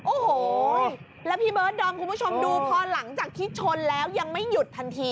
โอ้โหแล้วพี่เบิร์ดดอมคุณผู้ชมดูพอหลังจากที่ชนแล้วยังไม่หยุดทันที